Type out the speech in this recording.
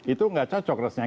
itu tidak cocok rasanya